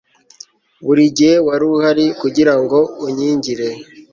buri gihe wari uhari kugirango unkingire